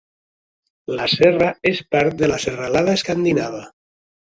La serra és part de la Serralada Escandinava.